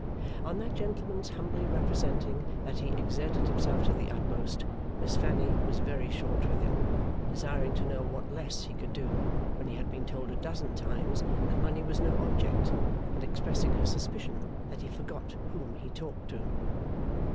On that gentleman's humbly representing that he exerted himself to the utmost, Miss Fanny was very short with him; desiring to know what less he could do, when he had been told a dozen times that money was no object, and expressing her suspicion that he forgot whom he talked to.